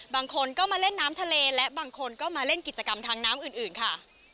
บางคนก็มาเล่นน้ำทะเลและบางคนก็มาเล่นกิจกรรมทางน้ำอื่นค่ะ